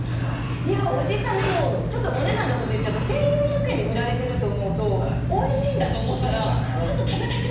ちょっとお値段のこと言っちゃうと１，４００円で売られてると思うとおいしいんだと思ったら。